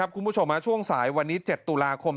คุณผู้ชมช่วงสายวันนี้๗ตุลาคม